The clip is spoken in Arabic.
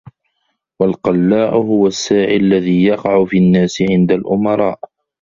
وَالْقَلَّاعُ هُوَ السَّاعِي الَّذِي يَقَعُ فِي النَّاسِ عِنْدَ الْأُمَرَاءِ